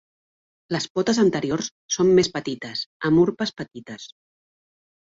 Les potes anteriors són més petites, amb urpes petites.